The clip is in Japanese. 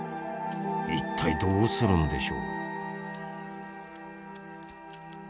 一体どうするんでしょう？